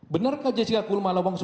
benarkah jessica kumala wongso